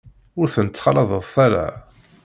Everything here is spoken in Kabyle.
Ur ten-ttxalaḍet ara.